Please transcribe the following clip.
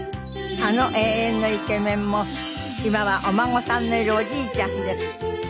あの永遠のイケメンも今はお孫さんのいるおじいちゃんです。